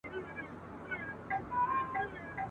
لښکر راغلی د طالبانو !.